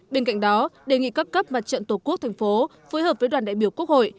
bên cạnh đó đề nghị cấp cấp mặt trận tổ quốc tp phối hợp với đoàn đại biểu quốc hội